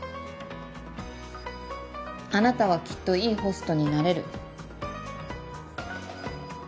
あなたはきっといいホストになれる。